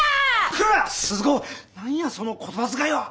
何やその言葉遣いは！